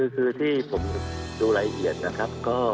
คือที่ผมดูรายเหตุนะครับ